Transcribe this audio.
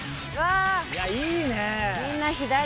いやいいね。